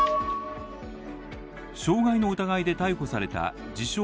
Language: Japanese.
傷害の疑いで逮捕された自称